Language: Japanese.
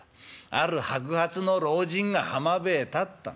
ある白髪の老人が浜辺へ立った。